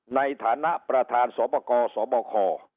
ในฐานะประธานสวปกสบค